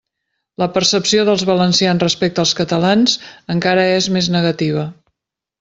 La percepció dels valencians respecte als catalans encara és més negativa.